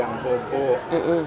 yang daging yang bubuk